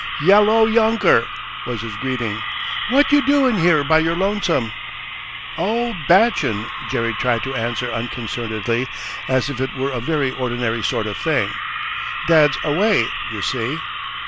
"Yello, younker!" was his greeting. "What you doin' here by your lonesome?" "Oh, bachin'," Jerry tried to answer unconcernedly, as if it were a very ordinary sort of thing. "Dad's away, you see."